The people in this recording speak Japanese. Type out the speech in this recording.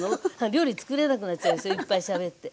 料理つくれなくなっちゃうでしょいっぱいしゃべって。